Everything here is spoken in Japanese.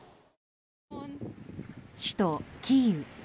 首都キーウ。